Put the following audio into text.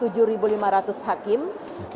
mengawasi delapan ribu panitera dan jurusita